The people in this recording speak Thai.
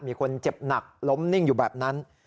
มีคนเจ็บหนักล้มนิ่งอยู่แบบนั้น